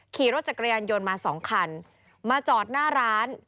ขี่รถจักรยานยนต์มาสองคันมาจอดหน้าร้าน